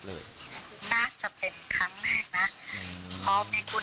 หน้าตาก็ไม่ได้ยิ้มแย้มหน้าตาก็ไม่ได้ยิ้มแย้ม